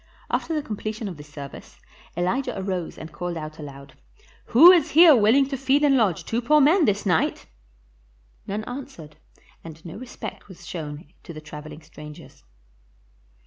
After the completion of the service, Elijah arose and called out aloud, "Who is here willing to feed and lodge two poor men this night?" None answered, and no respect was shown to the traveling strangers.